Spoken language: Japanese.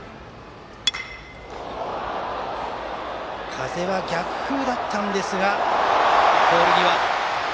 風は逆風だったんですがポール際。